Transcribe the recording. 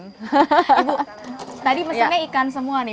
ibu tadi mesinnya ikan semua nih